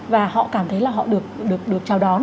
và họ cảm thấy là họ được chào đón